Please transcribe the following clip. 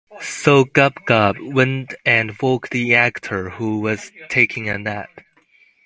So Gub-Gub went and woke the Doctor who was taking a nap.